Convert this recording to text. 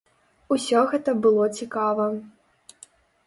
Усё гэта было цікава.